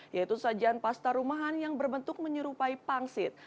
yaitu sajian pasta rumahan yang berbentuk menyerupai pangsit